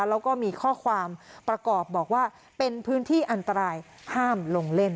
แล้วก็มีข้อความประกอบบอกว่าเป็นพื้นที่อันตรายห้ามลงเล่น